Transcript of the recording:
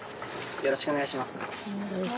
よろしくお願いします